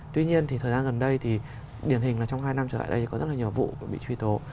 tuy nhiên thì thời gian gần đây thì điển hình là trong hai năm trở lại đây có rất là nhiều vụ bị truy tố